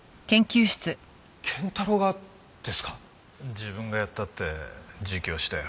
自分がやったって自供したよ。